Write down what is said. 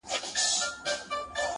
دوی پخپله هم یو بل سره وژله-